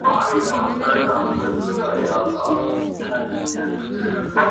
آیا د ټولني برایې د رغیدو لپاره همغږي اړینه ده؟